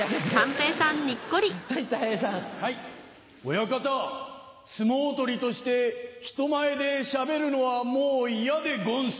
親方相撲取りとして人前でしゃべるのはもう嫌でごんす。